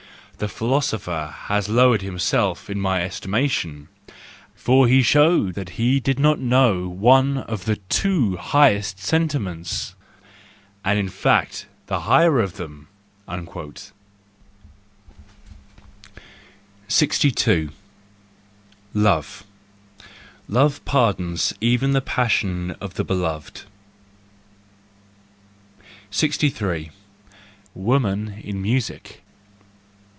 The philosopher has lowered himself in my estimation, for he showed that he did not know one of the two highest sentiments—and in fact the higher of them !" 62. Love .—Love pardons even the passion of the beloved. 63* Woman in Music